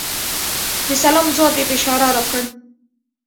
د سلام ځواب یې په اشاره راکړ .